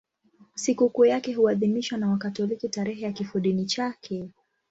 Sikukuu yake huadhimishwa na Wakatoliki tarehe ya kifodini chake.